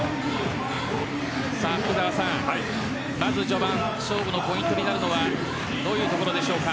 福澤さん、まず序盤勝負のポイントになるのはどういうところでしょうか？